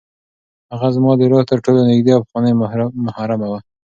هغه زما د روح تر ټولو نږدې او پخوانۍ محرمه ده.